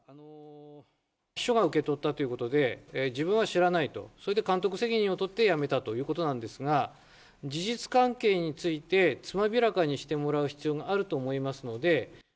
秘書が受け取ったということで、自分は知らないと、それで監督責任を取って辞めたということなんですが、事実関係について、つまびらかにしてもらう必要があると思いますので。